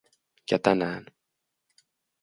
Ja tänään.